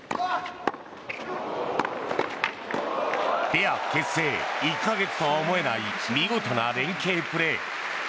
ペア結成１か月とは思えない見事な連係プレー。